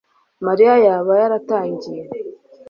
Mariya yaba yaratangiye